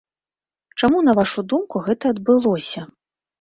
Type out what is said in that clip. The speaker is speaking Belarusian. Чаму, на вашу думку, гэта адбылося?